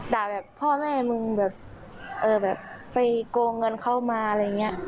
ด่าแบบพ่อแม่มึงแบบไปโกงเงินเข้ามาอะไรอย่างนี้